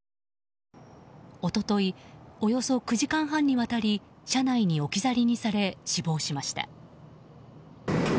一昨日、およそ９時間半にわたり車内に置き去りにされ死亡しました。